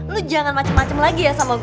lo jangan macem macem lagi ya sama gue